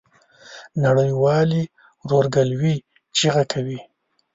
نړۍ والي ورورګلوی چیغه کوي.